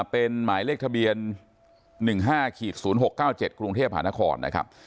เป็นหมายเลขทะเบียน๑๕๐๖๙๗กรุงเทพหานครนะครับ